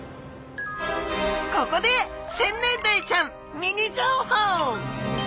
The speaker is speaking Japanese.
ここでセンネンダイちゃんミニ情報！